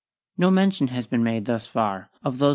No mention has been made thus far of those distin Fig.